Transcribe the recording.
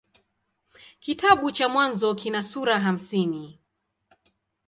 Kitabu cha Mwanzo kina sura hamsini.